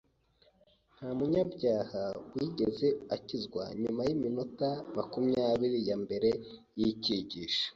Nta munyabyaha wigeze akizwa nyuma yiminota makumyabiri yambere yinyigisho.